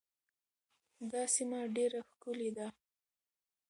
دا سیمه ډېره ښکلې ده.